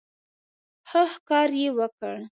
ښه ښکار یې وکړ.